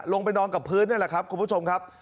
ลงไปนอนกับพื้นนี่แหละครับคุณผู้ชมครับ